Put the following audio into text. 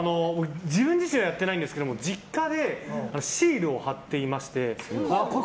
自分自身はやってないんですけど実家でシールを貼っていまして。